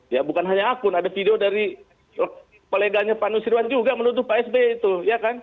ya bukan hanya akun ada video dari koleganya pak nusirwan juga menuduh pak sby itu ya kan